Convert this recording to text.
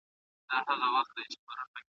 پخوانی نظام بدل سي.